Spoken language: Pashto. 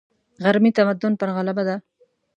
غربي تمدن پر غلبه ده.